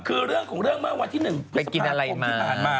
คือเรื่องของเรื่องเมื่อวันที่๑พฤษภาคมที่ผ่านมา